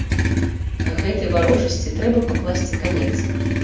Гэтай варожасці трэба пакласці канец.